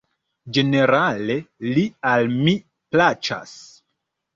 Ĝenerale li al mi plaĉas.